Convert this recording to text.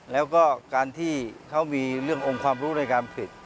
แล้วก็การที่เขามีเรื่ององค์ความรู้ในการผลิต